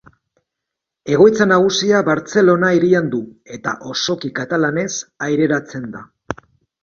Egoitza nagusia Bartzelona hirian du eta osoki katalanez aireratzen da.